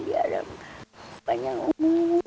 biar panjang umum